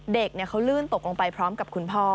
เด็กเขาลื่นตกลงไปพร้อมกับคุณพ่อ